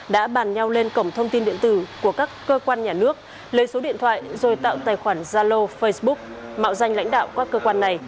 đã bàn nhau lên cổng thông tin điện tử của các cơ quan nhà nước lấy số điện thoại rồi tạo tài khoản zalo facebook mạo danh lãnh đạo các cơ quan này